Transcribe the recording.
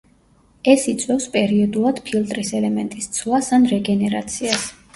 ეს იწვევს პერიოდულად ფილტრის ელემენტის ცვლას ან რეგენერაციას.